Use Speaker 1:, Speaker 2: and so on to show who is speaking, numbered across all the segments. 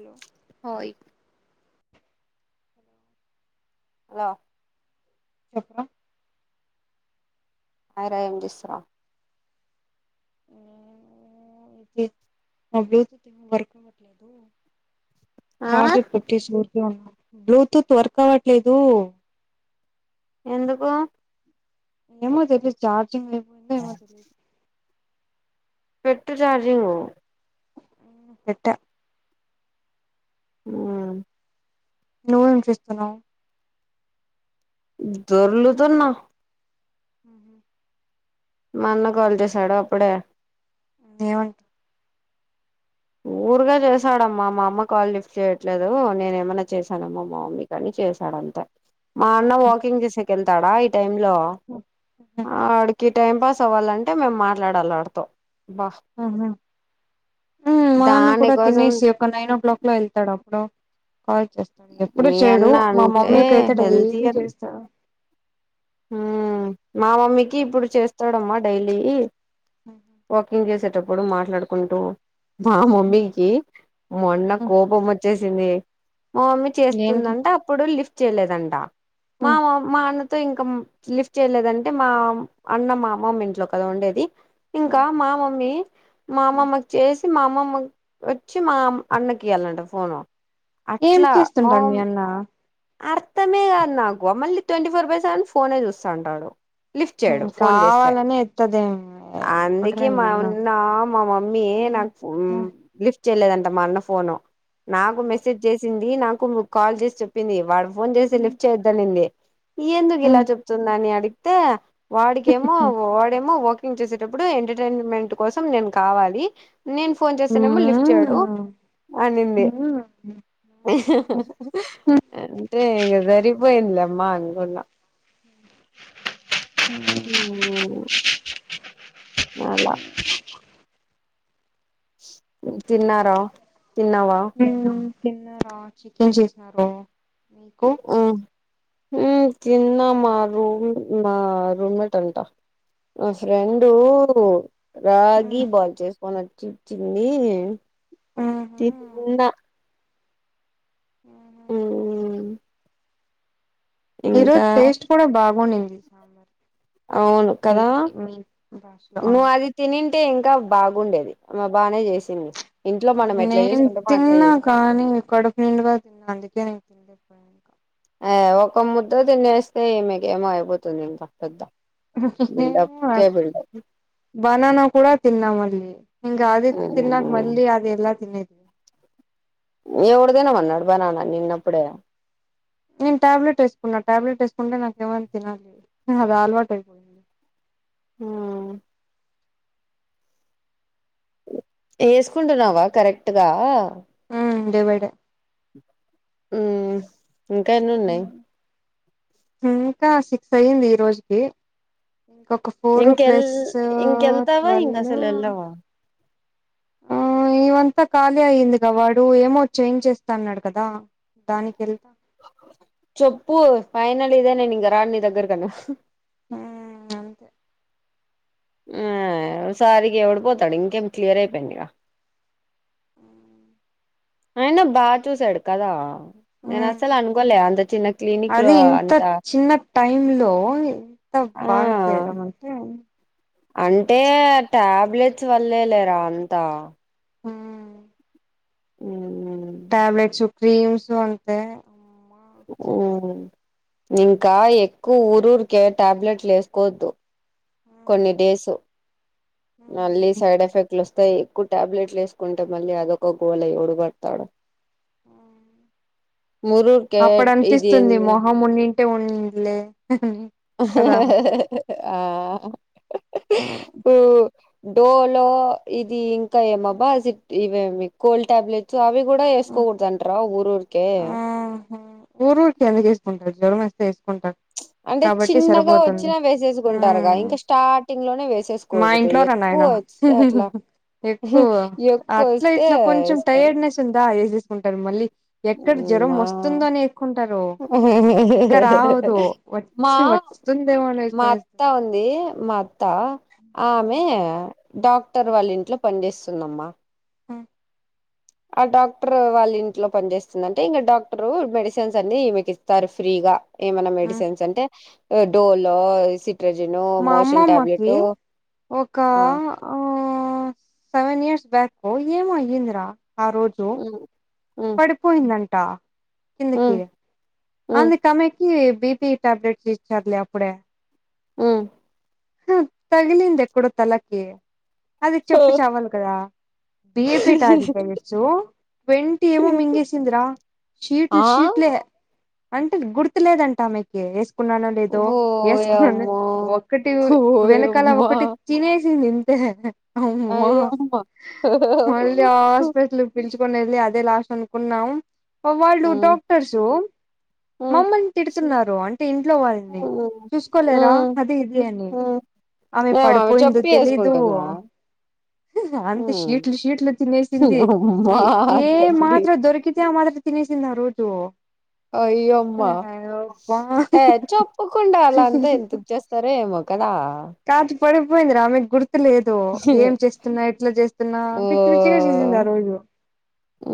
Speaker 1: Hello
Speaker 2: ఓయ్ hello
Speaker 1: చెప్పర
Speaker 2: hi ర ఎం జేస్రా
Speaker 1: ఎ నా బ్లుటూత్ ఏమి వర్క్ అవట్లేదు
Speaker 2: ఆ
Speaker 1: చార్జర్ పెట్టిసి ఊరికే ఉన్నా బ్లూటూత్ వర్క్ అవ్వట్లేదు
Speaker 2: ఎందుకు
Speaker 1: ఏమో తెలీదు చార్జింగ్ అయిపోయిందో ఏమో తెలిదు
Speaker 2: పెట్టు చార్జింగు
Speaker 1: మ్ పెట్టా
Speaker 2: మ్మ్
Speaker 1: నువ్వు ఎం చేస్తున్నావ్
Speaker 2: దొర్లుతున్నా
Speaker 1: మ్ హు
Speaker 2: మాన్న కాల్, జెసాడ అప్పుడే
Speaker 1: ఎమని
Speaker 2: ఓ ఊరుకె చేశాడమ్మా, మా అమ్మ కాల్ లిఫ్ట్ చేయట్లేదు. నెన్ ఏమన్నా చేశానమ్మా మా మమ్మీకి అని చేశాడ. అంతే మా అన్న వాకింగ్ చేసేక కెళ్తాడా, ఈ టైం లో అడికి టైం పాస్. సవాలంటే, మేము మాట్లాడాలి. ఆడితో బా
Speaker 1: ఆహ మా అన్న కూడా
Speaker 2: దానికోసం
Speaker 1: తినేసి, ఒక నైన్ ఓ క్లాక్ లో వెళ్తాడు. హలో కాల్ చేస్తాడు. ఎప్పుడు
Speaker 2: మీ
Speaker 1: చెయడు
Speaker 2: అన్న
Speaker 1: మా
Speaker 2: అంటే
Speaker 1: మమ్మీకైతే డైలీ చేస్తాడు.
Speaker 2: హ్మ్, మా మమ్మీకి ఇప్పుడు చేస్తాడమ్మా, డైలీ వాకింగ్ చేసేటప్పుడు మాట్లాడుకుంటూ. మా మమ్మీకి, మొన్న కోపం వచ్చేసింది. మా మమ్మీ
Speaker 1: దేనికి
Speaker 2: చేస్తుందంట, అప్పుడు లిఫ్ట్ చేయలేదంట. మా మా అన్నతో ఇంకా లిఫ్ట్ చేయలేదంటే, మా అన్న మా అమ్మమ్మ ఇంట్లో గదా ఉండేది. ఇంకా మా మమ్మీ మా అమ్మమ్మకు చేసి, మా అమ్మమ్మ వచ్చి, మా అన్నకి ఇయ్యాలంట ఫోన్
Speaker 1: ఏం
Speaker 2: అట్లా
Speaker 1: చేస్తుంటాడు మీ
Speaker 2: మామ్
Speaker 1: అన్న
Speaker 2: అర్థమే గాదు, నాకు మళ్ళీ ట్వంటీ ఫోర్ బై సెవెన్ ఫోనే చూస్టాఉంటాడు. లిఫ్ట్ చేయడు,
Speaker 1: ఉమ్
Speaker 2: ఫోన్ జేస్తే
Speaker 1: కావాలనే ఎత్తదేం
Speaker 2: అందుకే,
Speaker 1: ఒకట్రే మీ
Speaker 2: మా అన్న మా మమ్మీ నాకు లిఫ్ట్ చెయలేదంట, మా అన్న ఫోను నాకు మెసేజ్ చేసింది. నాకు కాల్ జేసి చెప్పింది. వాడు ఫోన్ చేసి లిఫ్ట్ చేయిద్దానింది. ఎందుకిల అని అడిగితే వాడికేమో వాడేమో ఓ సేటప్పుడు ఎంటర్టైన్మెంట్ కోసం నేను కావాలి. నేను ఫోన్ చేస్తనేమో, లిఫ్ట్ చేయడు. అనింది. అంటే, ఇంగా సరిపోయిందలేమ్మా అంటున్న ఉమ్ అలా తిన్నారా? తిన్నవా?
Speaker 1: తిన్నారా, చికెన్ చేసినాను. మీకు
Speaker 2: మ్ తిన్న మా రూమ్, మా రూమ్మేట్ అంటా. నా ఫ్రెడూ రాగి బ చేసుకొని, వచ్చి ఇచ్చింది. తిన్నా. ఉమ్
Speaker 1: ఈరోజు టేస్ట్, కూడా బాగ్ ఉండింది.
Speaker 2: అవును కదా!
Speaker 1: భాషలో
Speaker 2: నువ్ అది తనిన్ ఉంటే ఇంకా బాగుండేది. మా బానే చేసింది. ఇంట్లో మనం ఎట్లా
Speaker 1: నేను
Speaker 2: చేసుకుంటామో అట్లా
Speaker 1: తిన్నా
Speaker 2: చేసింది
Speaker 1: కానీ, కడుపు నిండుగా తిన్నా, అందుకే నేను తి ఇంకా
Speaker 2: ఎ ఒక ముద్ద తినేస్తే ఇమీకేమో అయిపోతుంది. పెద్ద
Speaker 1: ఇంకా
Speaker 2: బిల్డప్ కె
Speaker 1: నాకు
Speaker 2: బిల్డప్
Speaker 1: బనానా కూడా తిన్నామళ్ళి, ఇంగా అది తిన్నక
Speaker 2: మ్మ్
Speaker 1: మళ్ళీ అది ఎలా తినేది. అ
Speaker 2: ఎవడుతినమన్నాడు. బనానా నిన్ను అప్పుడే
Speaker 1: నేను ట్యాబ్ట్ వేసుకున్నా, ట్యాబ్ట్ వేసుకుంటే నాకు ఏమన్నా తినాలి. అది అలవాటు అయిపోయింది.
Speaker 2: ఉమ్ ఎసుకుంటున్నావా. కరెక్ట్గా
Speaker 1: ఉమ్ డే బయ్ డే
Speaker 2: ఉ ఇంకా ఎన్ని ఉన్నాయి్
Speaker 1: ఇంకా సిక్స్ అయ్యింది ఈ రోజుకి ఇంకొక ఫోర్
Speaker 2: ఇంకెల్
Speaker 1: ప్లస్
Speaker 2: ఇంకెళ్తావా
Speaker 1: ట్వల్్
Speaker 2: ఇంక అసలు ఎళ్ళవా
Speaker 1: ఇవంతా ఖాళీ అయి్యిందిగా వాడు ఏమో చేంజ్ చేస్తా అన్నాడు కదా దానికి వెళ్తా
Speaker 2: చెప్పు ఫైనల్ ఇదేనేేను ఇక రాడి నీ దగ్గరకన్నా
Speaker 1: ఉ అంతే
Speaker 2: ఆసారిగా ఎవడిపోతాడు ఇంకేం క్లియర్ అయిపోయింది ఇక
Speaker 1: ఉ
Speaker 2: అయినా బాగా చూస ఎడు కదా నేను అస్సలు అనుకోలే అంత చిన్న క్లినిక్ లో
Speaker 1: అది ఇంత
Speaker 2: అంత
Speaker 1: చిన్న టైమ్ లో అంత
Speaker 2: ఆ
Speaker 1: బాగా చేయడం అంటే
Speaker 2: అంటే
Speaker 1: నైస్
Speaker 2: టాబ్లెట్స్ వల్లే లేరా అంతా
Speaker 1: ఆ
Speaker 2: ఉ
Speaker 1: ట్యాబ్లెట్స్ క్రీమ్స్ అంతే
Speaker 2: ఇంకా ఎక్కువ ఊరు ఊరికే టాబ్లెట్లు వేసుకోవద్దు కొన్ని డేసు మళ్ళీ సైడ్ ఎఫెక్ట్లు వస్తు ఇ ఎక్కువ టాబ్లెట్లు వేసుకుంటే మళ్ళీ అదొక గోళ డుబడాడు
Speaker 1: ఆ అప్పుడ
Speaker 2: ఇది
Speaker 1: అనిపిస్తుంది
Speaker 2: ఏంది
Speaker 1: మొహం ఉండింటే ఉంలే అని కదా
Speaker 2: ఆ డోలో ఇది ఇంకా ఏమబ్బా ఇవేమి కోల్డ్ టాబ్లెట్స్ అవి కూడా వేసుకోకూడదుంటార ఊరు ఊరికే
Speaker 1: ఆ ఊరు ఊరికి ఎందకు వేసుకుంటారు జ్వరం ఇస్తే వేసుకుంటారు
Speaker 2: అంటే
Speaker 1: కాబట్టి
Speaker 2: చిన్నగా
Speaker 1: సరిపోతుంది
Speaker 2: వచ్చినా వేసేసుకుంటారుగా ఇంకా స్టార్టింగ్ లోనే
Speaker 1: మా
Speaker 2: వేసేసుకూడదు
Speaker 1: ఇంట్లో రా
Speaker 2: ఎక్కువ
Speaker 1: నాయన
Speaker 2: వస్తే అట్లా
Speaker 1: ఎక్కువ
Speaker 2: ఎక్కువ
Speaker 1: అట్లా
Speaker 2: వస్తే
Speaker 1: ఇట్లా కొంచెం
Speaker 2: వేసుకోవాలి
Speaker 1: టైర్డ్నెస్ ఉందా కుంటారు మళ్ళీ ఎక్కడ జ్వరం
Speaker 2: మా
Speaker 1: వస్తుంద అని ఎక్కుంటారు ఇంకా రావదు
Speaker 2: మా
Speaker 1: వచ్చి వస్తుందేమ
Speaker 2: మా అత్తా ఉంది మా అత్తా ఆమె డాక్టర్ వాళ్ళ ఇంట్లో పని చేేస్తున్నామ్మా
Speaker 1: ఆ
Speaker 2: ఆ డాక్టర్ వాళ్ళ ఇంట్లో పనిచేస్తుందంటే ఇంకా డాక్టరు మెడిసిన్స్ అన్ని మీకు ఇస్తారు ఫ్రీగా ఏమన్నా మెడిసిన్స్ అంటే డోలో సి
Speaker 1: మా అమ్మమ్మకి ఒక ఆ ఆ సెవెన్ ఇయర్స్ బ్యాక్ ఏమోగింద్రా ఆ రోజు
Speaker 2: ఉమ్ ఉమ్
Speaker 1: పడిపోయిందంటా కిందకి
Speaker 2: ఉమ్ ఉమ్
Speaker 1: అందు కమ్కి బిపి ట్యాబ్లెట్స్ ఇచ్చర్లే అప్పుడ
Speaker 2: ఆ
Speaker 1: తగిలింది ఎక్కడో తలకి అది చెప్పి చవాలి కదా బిఏపిి టార్టిఫికెట్సు ట్వంటీ ఏమ మింగేసింద్రా షీట్లు
Speaker 2: ఆ
Speaker 1: షీట్లే అంటే గుర్తులేదంటా మీకు న్నాను లేదో వసుకున్నాను
Speaker 2: ఓయమ్మో
Speaker 1: ఒకటి వెనకాల
Speaker 2: ఓయమ్మా
Speaker 1: ఒకటి తినే నింతే అ
Speaker 2: అయ్యమ్మ
Speaker 1: మళీ ఆస్పట్లుప్పించుకొని వెళ్ళి అ లాస్ అనుకున్నాం వాళ్ళు
Speaker 2: ఉమ్
Speaker 1: డాక్టర్సు
Speaker 2: ఉమ్
Speaker 1: మమ్మల్ని తిడుతున్నారు అంటే ఇంట్లో వాళ్ళని
Speaker 2: ఉ
Speaker 1: చూసుకోలేరా
Speaker 2: ఉ
Speaker 1: అది అమె
Speaker 2: ఏమో
Speaker 1: పడిపోయిందు
Speaker 2: చెప్పి
Speaker 1: తెలీదు
Speaker 2: వేసుకుంటుందా
Speaker 1: అంత షీట్లు షీట్లు తినేసింది
Speaker 2: అమ్మా
Speaker 1: ఏ ఏ
Speaker 2: తల్లి
Speaker 1: మాత్ర దొరికితే ఆ మాత్ర చిిన చిన్న రోజు
Speaker 2: అయ్యోమ్మా
Speaker 1: అబ్బా
Speaker 2: ఏ చెప్పుకుండా అలా అంత ఎంతకు చేస్తారో ఏమో కదా
Speaker 1: కాచ్ పడిపోయింద్ర ఆమెక్ గుర్తు లేదు ఏం చేస్తున్నా ఎట్లా చేస్తున్నా పిచ్చి పిచ్చిగా చేసింది ఆ రోజు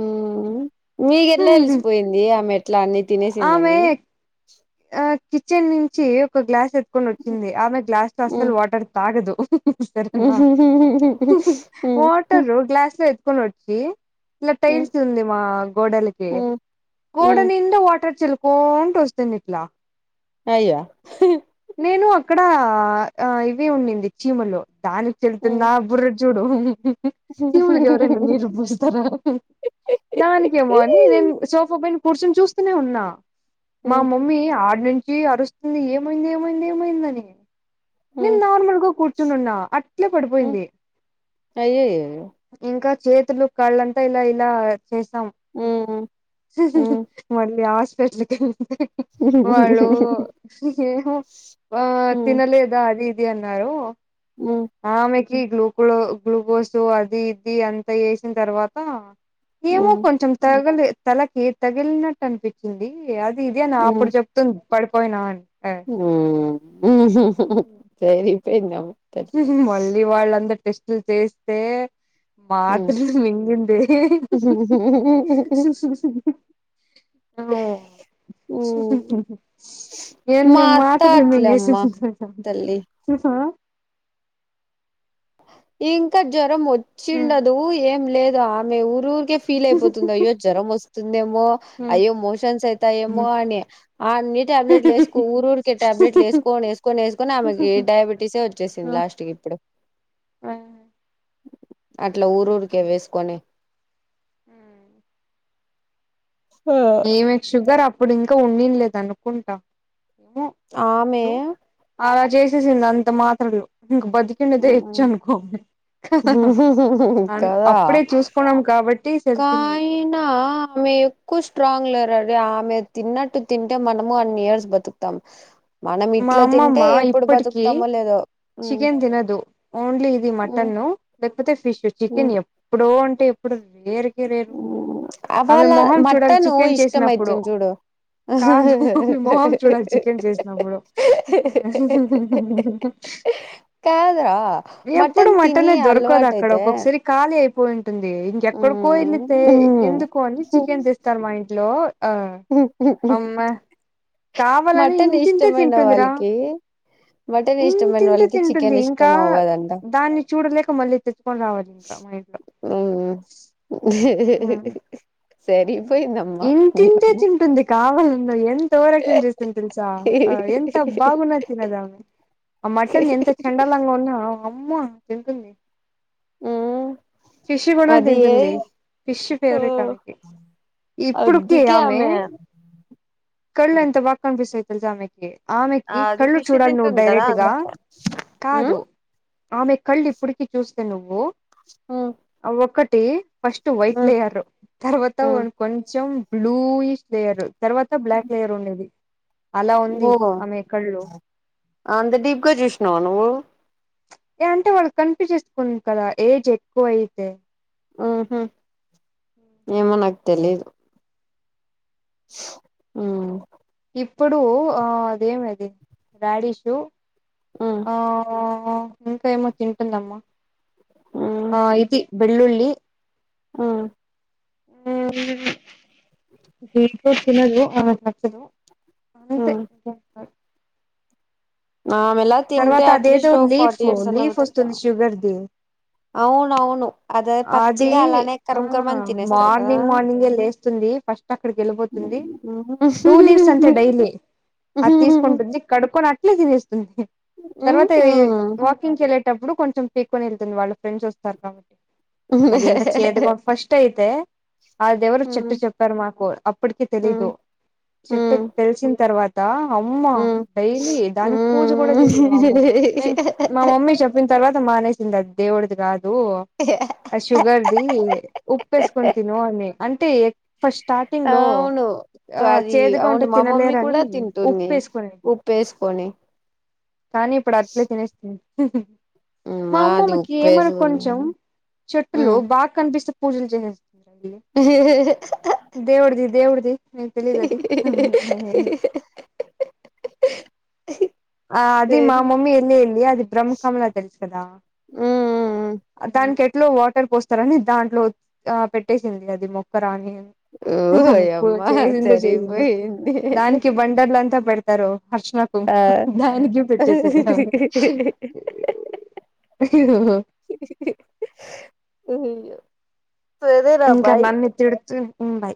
Speaker 2: ఉమ్ మీగు ఎట్లా తెలిసిపోయింది ఆమె ఎట్ల అన్ని
Speaker 1: ఆమె
Speaker 2: తినేసిందని
Speaker 1: ఆ కిచెన్ నుంచి ఒక గ్లాస్ ఎత్కొని వచ్చింది ఆమె గ్లాస్ లో అస్సలు వాటర్ తాగదు సరేనా వాటరు గ్లాస్ లో ఎత్తుకొని వచ్చి ఇలా టైల్స్ ఉంది మా గోడలకి గోడ నిండ వాటర్ చెల్ కో అని పోస్తుంది ఇట్లా
Speaker 2: అయ్యా హు
Speaker 1: నేను అక్కడ ఇవి ఉండింది చీమలో దానికి చెళ్తున్న బుర్ర చూడు చీమలకి ఎవరన్నా నీరు పోస్తారా దానికేమో అని నేను సోఫా పైన కూర్చొని చూస్తూనే ఉన్నా
Speaker 2: ఉమ్
Speaker 1: మీ ఆడి నుంచి అరుస్తుంది ఏమైంది ఏమైంది ఏమైందని నేను నార్మల్గా కూర్చుని ఉన్నా అట్లే పడిపోయింది
Speaker 2: యే
Speaker 1: ఇంకా చేతులు కాళ్ళంతా ఇలా ఇలా చేసాం మళ్ళీ ఆ [unintelligible] వాళ్ళు ఏమ్ ఆ తినలేదా అది ఇది అన్నారు ఆమెకి గ్లూకో గ్లూకోసు అది ఇది అంతా యేసిన తర్వాత ఏమో కొంచెం తగలి తలకి తగిలినట్టు అనిపించింది అది ఇది అని ఇప్పుడు చెప్తుంది పడిపోయినా అని
Speaker 2: ఉమ్ హు హు సరిపోయిందా
Speaker 1: మళ్ళీ వాళ్ళందరు టెస్ట్లు చేస్తే మాత్రులు మించినది హు హు అవ్వా ఏన్ని
Speaker 2: మా అత్త
Speaker 1: మాత్రలు
Speaker 2: అట్లేమ్మా
Speaker 1: మింగేసింది
Speaker 2: తల్లి
Speaker 1: చూసావా
Speaker 2: ఇంకా జ్వరం
Speaker 1: హ్మ్.
Speaker 2: వచ్చిండదు ఏం లేదు ఆమె ఊరికే ఫీల్ అయిపోతుంది అయ్యో జ్వరం వస్తుందేమో
Speaker 1: హ్మ్.
Speaker 2: అయ్యో మోషన్స్ అయితాయేమో
Speaker 1: హ్మ్.
Speaker 2: అని అన్ని టాబ్లెట్లు వేకో ఊరూరికే టాబ్లెట్లు వేసుకొని వేసుకొ వేసుకొని ఆమెకి డయాబెటీసే వచ్చేసింది
Speaker 1: ఆ!
Speaker 2: లాస్ట్ కి ఇప్పుడు
Speaker 1: ఆ
Speaker 2: అట్లా ఊరూరికే వేసుకొని
Speaker 1: ఉమ్
Speaker 2: ఆ
Speaker 1: ఈమెకి షుగర్ అప్పుడు ఇంకా ఉండింది లేదు అనుకుంటా ఏమో
Speaker 2: ఆమె
Speaker 1: తెలీదు అలా చేసేసింది అంత మాత్రలు ఇంక బతికినదే ఇచ్చ అనుకో అ అప్పుడే చూసుకున్నాం కాబట్టి తెలిసింది
Speaker 2: కైనా మీవ్ ఎక్కువ స్ట్రాంగ్ లేరడి ఆమె తిన్నట్టు తింటే మనము అన్ ఇయర్స్ బతుకుతాం మనం
Speaker 1: మా
Speaker 2: ఇట్లా
Speaker 1: అమ్మమ్మ
Speaker 2: తింటే ఎప్పుడు
Speaker 1: ఇప్పటికి
Speaker 2: బతుకుతామో లేదో ఉమ్,
Speaker 1: చికెన్ తినదు ఓన్లీ ఇది
Speaker 2: ఉమ్,
Speaker 1: మటన్ లేకపోతే ఫిష్ చికెన్
Speaker 2: ఉమ్,
Speaker 1: ఎప్పుడో అంటే ఎప్పుడు రేరుకే రేరు
Speaker 2: ఉమ్.
Speaker 1: ఆమె
Speaker 2: వాళ్ళ
Speaker 1: మొహం చూడాలి
Speaker 2: మటను
Speaker 1: చికెన్
Speaker 2: ఇష్టం
Speaker 1: చేసినప్పుడు
Speaker 2: అయితుంది చూడు
Speaker 1: కాదు ఆమె మొహం చూడాలి చికెన్ చేసి నవ్వుడు హా హా హా
Speaker 2: కాదురా
Speaker 1: ఎప్పుడు
Speaker 2: మటన్ తిని
Speaker 1: మటనే దొరకదు అక్కడ
Speaker 2: అలవాటైతే
Speaker 1: ఒక్కొక్కసారి ఖాళీ అయిపో ఉంటంది ఇంకెక్కడ
Speaker 2: ఉమ్,
Speaker 1: కోయలితే ఎందుకు అని
Speaker 2: ఉమ్.
Speaker 1: చికెన్ తెస్తారు మా ఇంట్లో ఆ అమ్మే
Speaker 2: మటన్ ఇష్టమైన వాళ్ళకి మటన్ ఇష్టం అన
Speaker 1: ఇంతింతే
Speaker 2: వాళ్ళకి
Speaker 1: తింటుంది
Speaker 2: చికెన్
Speaker 1: ఇంకా
Speaker 2: ఇష్టం అవ్వదంట
Speaker 1: దాన్ని చూడలేక మళ్ళీ తెచ్చుకొని రావాలి ఇంకా మా ఇంట్ల
Speaker 2: సరి
Speaker 1: ఇంటింటే తింటుంది కావాలన్నా ఎంత ఓరక్షన్ చేస్తుంది తెలుసా ఎంత బాగున తినదా ఆ మటన్ ఎంత చండాలంగా ఉన్నా అమ్మ తింటుంది
Speaker 2: మ్మ్
Speaker 1: ఫిష్ కూడా
Speaker 2: అది ఏ
Speaker 1: తింటుంది ఫిష్
Speaker 2: ఓ
Speaker 1: ఫేవరెట్ తనకి ఇప్పుడుకి ఆమె కళ్ళు ఎంత బక్ కనిపిస్తుయి తెలుసి ఆమెకి ఆమెకి
Speaker 2: అది
Speaker 1: కళ్ళు
Speaker 2: ఫిష్
Speaker 1: చూడాలి నువ్వు
Speaker 2: తింటుంది కదా
Speaker 1: డైరెక్ట్గా
Speaker 2: అందుకే మ్మ్
Speaker 1: కాదు ఆమె కళ్ళు ఇప్పుడుకి చూస్తే నువ్వు
Speaker 2: ఆ
Speaker 1: అంటే ఫస్ట్ వైట్ లేయర్ తర్వాత
Speaker 2: మ్మ్
Speaker 1: కొంచెం బ్లూష్ లేయర్ తర్వాత బ్లాక్ లేయర్ ఉండేది అలా ఉంది
Speaker 2: ఓహో
Speaker 1: ఆమె కళ్ళు
Speaker 2: అంత దీప్కా చూసినావా నువ్వు
Speaker 1: అంటే వాళ్ళకి కనిపి చేసుకుంది కదా ఏజ్ ఎక్కువ అయితే
Speaker 2: ఉహు ఏమో నాకు తెలియదు ఉ
Speaker 1: ఇప్పుడు అదేమిది రాడిష్
Speaker 2: మ్మ్
Speaker 1: ఆ ఆ ఇంకా ఏమో తింటుందమ్మా ఆ ఇది వెల్లుల్లి
Speaker 2: ఆ
Speaker 1: ఉహ్ బీట్రూట్ తినదు ఆమెకు నచ్చదు
Speaker 2: ఆ
Speaker 1: అంతే
Speaker 2: ఆమెలా తింటే
Speaker 1: తర్వాత అదేదో
Speaker 2: అట్లీస్ట్
Speaker 1: లీఫ్
Speaker 2: ఫార్టీ ఇయర్స్ అన్నా
Speaker 1: లీఫ్
Speaker 2: బతుకుతాం
Speaker 1: వస్తుంది షుగర్ ది
Speaker 2: అవును అవును అదే
Speaker 1: అది
Speaker 2: పచ్చిగా అలానే
Speaker 1: ఆ
Speaker 2: కరం కరం అని తినేస్తారు కదా
Speaker 1: మార్నింగ్ మార్నింగ్ లేస్తుంది ఫస్ట్ అక్కడికి వెళ్ళిపోతుంది టూ లీవ్స్ అంతే డైలీ అది తీసుకుంటుంది కడుక్కొని అట్లే తినేస్తుంది తర్వాత వాకింగ్ చేయలే ఇప్పుడు కొంచెం పీకుని వెళ్తుందిళ్ళ ఫ్రెండ్స్ వచ్చాక అది ఎంత చేదుగా ఫస్ట్ అయితే అది ఎవరు చెట్టు చెప్పారు మాకు అప్పటికి తెలీదు చెట్టు తెలిసిన తర్వాత అమ్మ డైలీ దానికి పూజ కూడా చేసేంది అమ్మ మేము మా మమ్మీ చెప్పిన తర్వాత మానేసిన కి దేవుడది కాదు ఆ షుగర్ది ఉప్పుసుకొని తిను అని అంటే ఫస్ట్ స్టార్టింగ్ లో
Speaker 2: అవును
Speaker 1: ఆ
Speaker 2: అది
Speaker 1: చేదుగా ఉంటే
Speaker 2: అవును మా మమ్మీ
Speaker 1: తినలేరని
Speaker 2: కూడా
Speaker 1: ఉప్పు
Speaker 2: తింటుంది
Speaker 1: వేసుకునీ
Speaker 2: ఉప్పేసుకొని
Speaker 1: కానీ ఇప్పుడు అట్లే తినేస్తుంది మా
Speaker 2: అది
Speaker 1: అమ్మమ్మకి ఏమను
Speaker 2: ఉప్పేసుకొని
Speaker 1: కొంచెం చెట్టులో బాగా కనిపిస్తే పూజలు చేస
Speaker 2: ఉమ్.
Speaker 1: దేవుడది దేవుడది తెలియదది ఆ అది మా
Speaker 2: సరి
Speaker 1: మమ్మీ వెళ్ళి వెళ్ళి అది బ్రహ్మ కమలా తెలుసు కదా
Speaker 2: ఉమ్
Speaker 1: దానికి ఎట్లా వాటర్ పోస్తారని దాంట్లో ఆ పెట్టేసింది అది మొక్కర అని ఇప్పు
Speaker 2: ఓయమ్మా
Speaker 1: చేసింది చేసింది
Speaker 2: సరిపోయింది
Speaker 1: దానికి బండర్లుంతా పెడత తారు హర్షనకుం
Speaker 2: ఆ
Speaker 1: దానికి పెట్టేసది అని
Speaker 2: ఉయ్
Speaker 1: ఇంకా నన్న తిడుతూ ఉమ్ బై